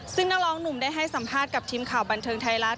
ซึ่งนักร้องหนุ่มได้ให้สัมภาษณ์กับทีมข่าวบันเทิงไทยรัฐ